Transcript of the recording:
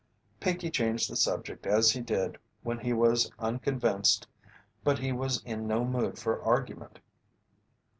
Pinkey changed the subject as he did when he was unconvinced but he was in no mood for argument.